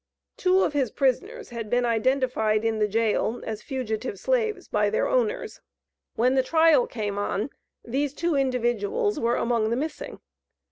Two of his prisoners had been identified in the jail as fugitive slaves by their owners. When the trial came on these two individuals were among the missing.